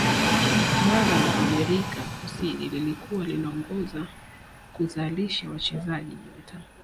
bara la amerika kusini lilikuwa linaongoza kuzalisha wachezaji nyota